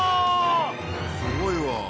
すごいわ！